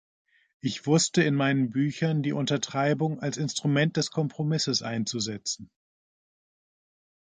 Ich wusste in meinen Büchern die Untertreibung als Instrument des Kompromisses einzusetzen.